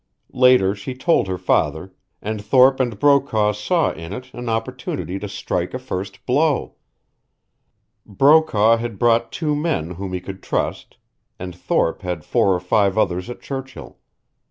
Later she told her father, and Thorpe and Brokaw saw in it an opportunity to strike a first blow. Brokaw had brought two men whom he could trust, and Thorpe had four or five others at Churchill.